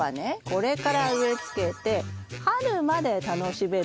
これから植えつけて春まで楽しめる方がいいですね。